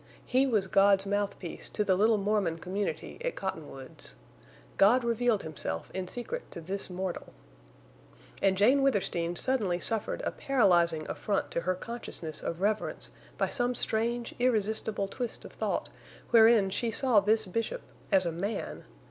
He was God's mouthpiece to the little Mormon community at Cottonwoods. God revealed himself in secret to this mortal. And Jane Withersteen suddenly suffered a paralyzing affront to her consciousness of reverence by some strange, irresistible twist of thought wherein she saw this Bishop as a man.